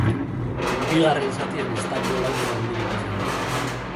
Bigarren zatian ez da gol-aukera handirik izan.